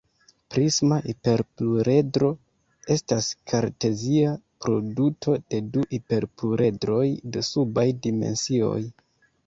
Prisma hiperpluredro estas kartezia produto de du hiperpluredroj de subaj dimensioj.